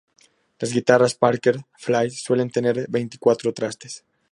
Las guitarras Parker Fly suelen tener veinticuatro trastes.